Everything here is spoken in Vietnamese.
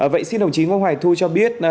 vậy xin đồng chí ngoan hoài thu cho biết